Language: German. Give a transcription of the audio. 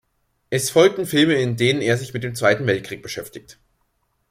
Es folgten Filme, in denen er sich mit dem Zweiten Weltkrieg beschäftigt.